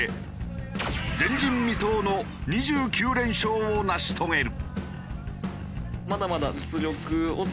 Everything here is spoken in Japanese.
前人未到の２９連勝を成し遂げる。